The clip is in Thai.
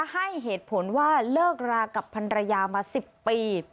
ให้เหตุผลว่าเลิกรากับพันรยามา๑๐ปี